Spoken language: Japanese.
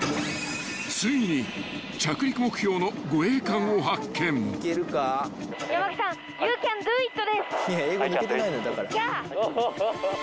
［ついに着陸目標の護衛艦を発見］ヤー。